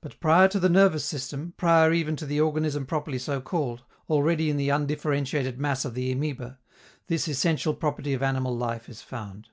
But, prior to the nervous system, prior even to the organism properly so called, already in the undifferentiated mass of the amoeba, this essential property of animal life is found.